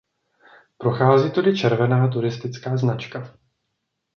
Prochází tudy červená turistická značka.